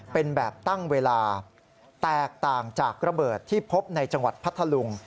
เป็นแบบตั้งเวลาแตกต่างจากระเบิดที่พบในจังหวัดพัทธลุง